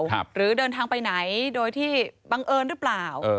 หรือเดินทางไปไหนโดยที่บังเอิญหรือเปล่า